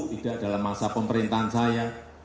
tidak dalam masa pemerintahan saya